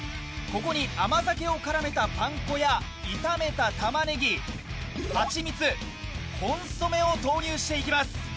ここに甘酒を絡めたパン粉や炒めたタマネギ蜂蜜コンソメを投入していきます。